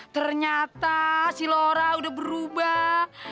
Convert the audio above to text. ternyata si laura udah berubah